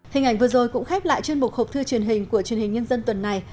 hình ảnh vừa rồi cũng khép lại chuyên mục hộp thư truyền hình của truyền hình nhân dân tuần này